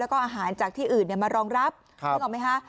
แล้วก็อาหารจากที่อื่นเนี่ยมารองรับครับนึกออกไหมฮะ